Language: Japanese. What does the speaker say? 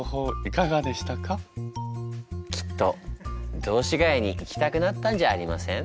きっと雑司が谷に行きたくなったんじゃありません？